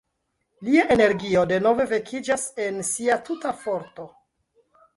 Lia energio denove vekiĝas en sia tuta forto.